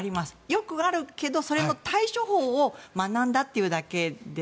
よくあるけどそれの対処法を学んだというだけで。